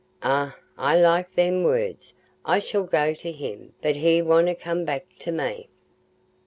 Eh, I like them words—'I shall go to him, but he wonna come back to me.